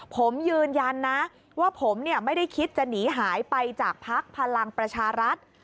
ผมยืนยันนะว่าผมไม่ได้คิดจะหนีหายไปจากภักดิ์พลังประชารัฐ